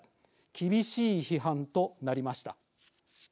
厳しい批判となりました。